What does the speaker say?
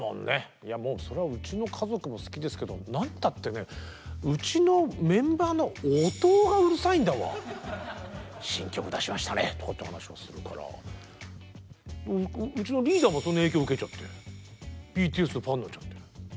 もうそりゃうちの家族も好きですけどなんたってねうちのメンバーの音尾がうるさいんだわ。とかって話をするからうちのリーダーもその影響受けちゃってＢＴＳのファンになっちゃって。